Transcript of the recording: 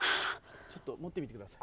ちょっと持ってみてください。